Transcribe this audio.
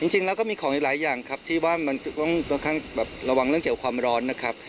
จริงแล้วก็มีของหลายอย่างที่ว่ามันต้องระวังเรื่องเกี่ยวกับความร้อน